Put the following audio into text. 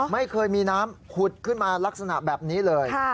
ไม่เคยมีน้ำขุดขึ้นมาลักษณะแบบนี้เลย